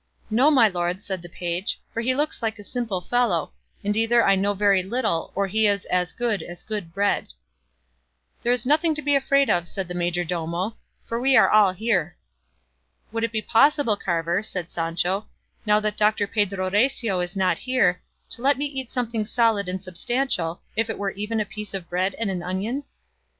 "No, my lord," said the page, "for he looks like a simple fellow, and either I know very little or he is as good as good bread." "There is nothing to be afraid of," said the majordomo, "for we are all here." "Would it be possible, carver," said Sancho, "now that Doctor Pedro Recio is not here, to let me eat something solid and substantial, if it were even a piece of bread and an onion?"